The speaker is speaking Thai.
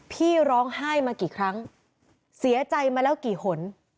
พี่ร้องไห้มากี่ครั้งเสียใจมาแล้วกี่คน